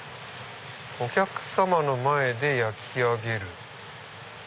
「お客様の前で焼上げる‼」。